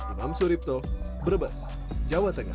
imam suripto brebes jawa tengah